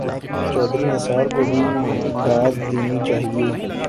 چوہدری نثار کو بھی داد دینی چاہیے۔